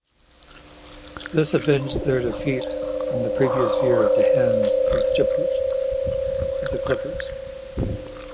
This avenged their defeat from the previous year at the hands of the Clippers.